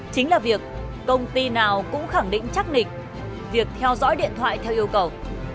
chính là việc công ty nào cũng khẳng định chắc nịch việc theo dõi điện thoại theo yêu cầu